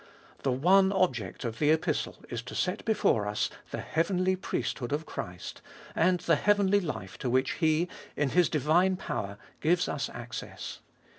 The one object of the Epistle is to set before us the heavenly priesthood of Christ and the heavenly life to which He in His divine power gives us access.